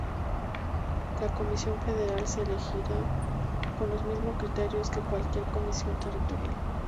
La Comisión Federal se elegirá con los mismos criterios que cualquier comisión territorial.